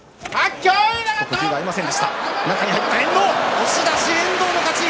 押し出し遠藤の勝ち。